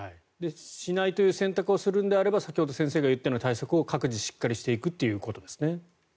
しないという選択をするのであれば先ほど先生が言ったような対策を各自しっかりやっていくということですね。